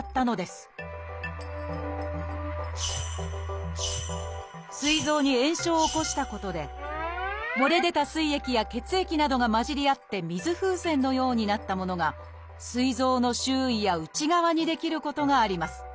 すい臓に炎症を起こしたことで漏れ出たすい液や血液などが混じり合って水風船のようになったものがすい臓の周囲や内側に出来ることがあります。